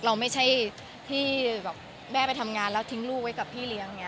เราไม่ใช่ที่แม่ไปทำงานแล้วทิ้งลูกไว้กับพี่เลี้ยง